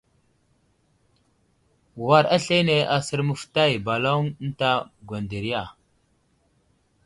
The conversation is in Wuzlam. War aslane aser məfətay baloŋ ənta gwənderiya.